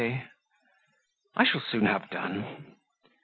"I shall soon have done."